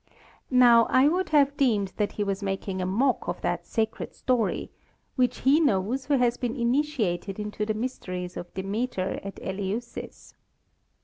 Now, I would have deemed that he was making a mock of that sacred story which he knows who has been initiated into the mysteries of Demeter at Eleusis.